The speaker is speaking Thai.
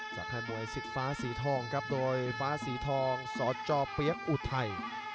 ค่ายมวยสิทธฟ้าสีทองครับโดยฟ้าสีทองสจเปี๊ยกอุทัย